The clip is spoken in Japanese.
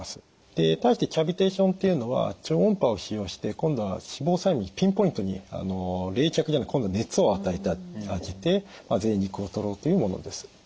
で対してキャビテーションというのは超音波を使用して今度は脂肪細胞にピンポイントに冷却じゃなくて今度は熱を与えてあげてぜい肉をとろうというものです。